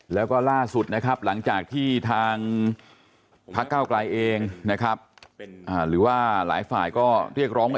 แล้วก็ล่าสุดนะครับหลังจากที่ทางพักเก้าไกลเองนะครับหรือว่าหลายฝ่ายก็เรียกร้องว่า